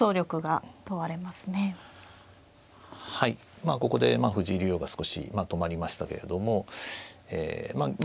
まあここで藤井竜王が少し止まりましたけれどもええまあ